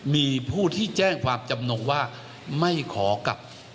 มีผู้ที่แจ้งความจำนงว่าไม่ขอกลับ